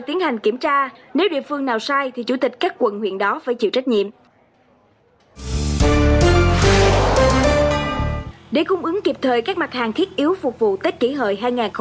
trong kịp thời các mặt hàng thiết yếu phục vụ tết kỷ hợi hai nghìn một mươi chín